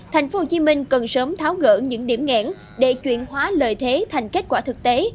tp hcm cần sớm tháo gỡ những điểm nghẽn để chuyển hóa lợi thế thành kết quả thực tế